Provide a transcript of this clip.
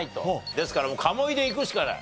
ですから鴨居でいくしかない。